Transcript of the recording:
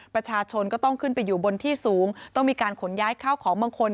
ประชาชนก็ต้องขึ้นไปอยู่บนที่สูงต้องมีการขนย้ายข้าวของบางคน